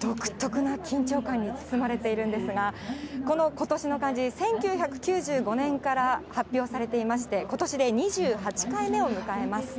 独特な緊張感に包まれているんですが、この今年の漢字、１９９５年から発表されていまして、ことしで２８回目を迎えます。